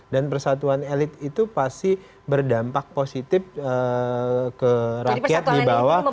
dan persatuan elit itu pasti berdampak positif ke rakyat di bawah